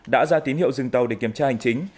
đã ra tín hiệu dừng tàu để kiểm tra hành chính